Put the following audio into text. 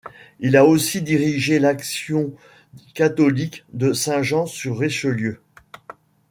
Il a aussi dirigé L'action catholique de Saint-Jean-sur-Richelieu.